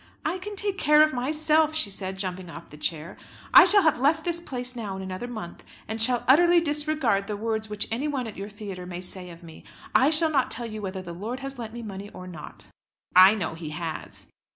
"I can take care of myself," she said, jumping off the chair. "I shall have left this place now in another month, and shall utterly disregard the words which anyone at your theatre may say of me. I shall not tell you whether the lord has lent me money or not." "I know he has."